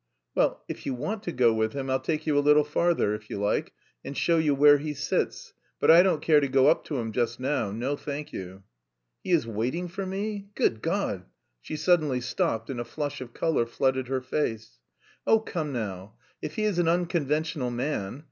"Well, if you want to go with him, I'll take you a little farther, if you like, and show you where he sits, but I don't care to go up to him just now. No, thank you." "He is waiting for me. Good God!" she suddenly stopped, and a flush of colour flooded her face. "Oh! Come now. If he is an unconventional man!